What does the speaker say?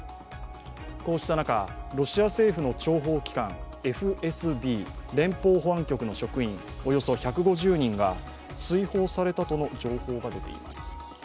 こうした中、ロシア政府の諜報機関ＦＳＢ＝連邦保安局の職員、およそ１５０人が追放されたとの情報が出ています。